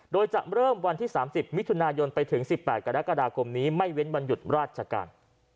โดยจะเริ่มวันที่๓๐มิถุนายนไปถึง๑๘กรกฎาคมนี้ไม่เว้นวันหยุดราชการ